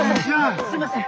すいません。